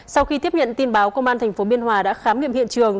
sau khi tiếp nhận tin báo công an tp biên hòa đã khám nghiệm hiện trường